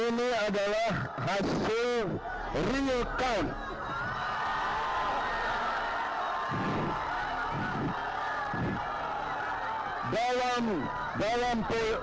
ini adalah hasil real count